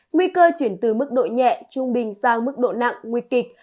nguy cơ chuyển từ mức độ nhẹ trung bình sang mức độ nặng nguy kịch